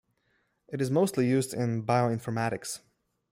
It is mostly used in bioinformatics.